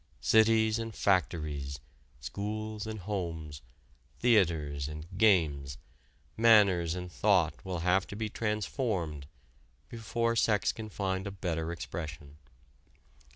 Cities and factories, schools and homes, theaters and games, manners and thought will have to be transformed before sex can find a better expression.